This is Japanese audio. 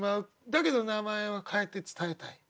だけど名前は変えて伝えたい。